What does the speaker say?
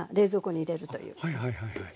はいはいはいはい。